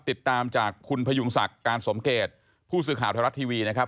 ติดตามจากคุณพยุงศักดิ์การสมเกตผู้สื่อข่าวไทยรัฐทีวีนะครับ